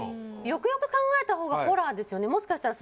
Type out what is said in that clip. よくよく考えた方がホラーですよね